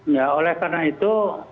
ya oleh karena itu